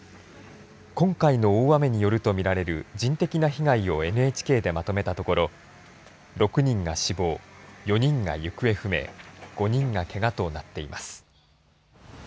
今回の大雨によるとみられる人的な被害をＮＨＫでまとめたところ６人が死亡４人が行方不明５人がけがとなっています。